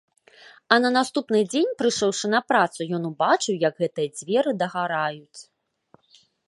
А на наступны дзень, прыйшоўшы на працу, ён убачыў, як гэтыя дзверы дагараюць.